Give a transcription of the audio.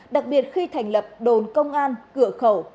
đặc biệt khi thành lập đồn công an cửa khẩu